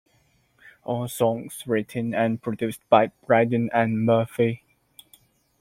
"All songs written and produced by Brydon and Murphy".